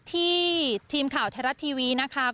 ที่ทีมข่าวแทรรัตทีวีนะคะ